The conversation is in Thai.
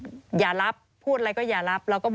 มีบอกว่าเป็นผู้การหรือรองผู้การไม่แน่ใจนะคะที่บอกเราในโทรศัพท์